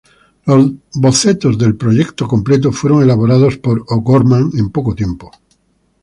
Los bocetos del proyecto completo fueron elaborados por O’Gorman en poco tiempo.